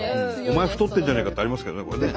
お前太ってんじゃねえかってありますけどねこれね。